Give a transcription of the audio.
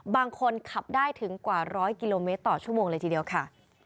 คนขับได้ถึงกว่า๑๐๐กิโลเมตรต่อชั่วโมงเลยทีเดียวค่ะ